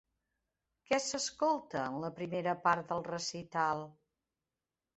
Què s'escolta en la primera part del recital?